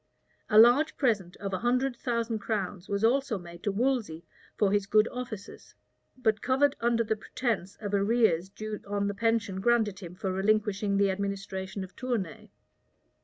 A large present of a hundred thousand crowns was also made to Wolsey for his good offices, but covered under the pretence of arrears due on the pension granted him for relinquishing the administration of Tournay.